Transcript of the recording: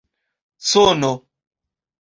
sono